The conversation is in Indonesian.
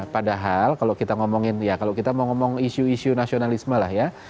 padahal kalau kita ngomongin ya kalau kita mau ngomong isu isu nasionalisme lah ya